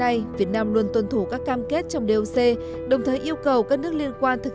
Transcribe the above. nay việt nam luôn tuân thủ các cam kết trong doc đồng thời yêu cầu các nước liên quan thực